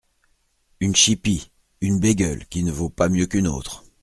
Une chipie ! une bégueule, qui ne vaut pas mieux qu’une autre.